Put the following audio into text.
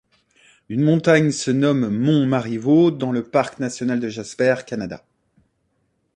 Une montagne se nomme mont Mary Vaux dans le Parc national de Jasper, Canada.